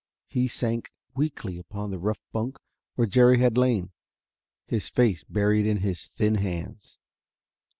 He sank weakly upon the rough bunk where Jerry had lain, his face buried in his thin hands.